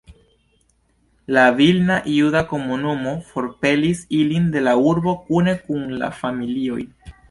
La vilna juda komunumo forpelis ilin de la urbo kune kun la familioj.